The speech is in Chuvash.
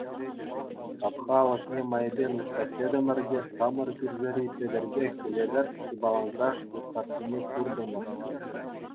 Хапха алӑкне майӗпен уҫса кӗтӗмӗр те хамӑр кӳршӗри Петӗрпе Хӗветӗр хыпалансах вут татнине куртӑмӑр.